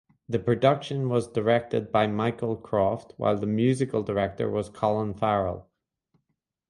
The production was directed by Michael Croft while the Musical Director was Colin Farrell.